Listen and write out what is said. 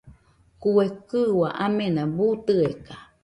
Kue kɨua amena buu tɨeka.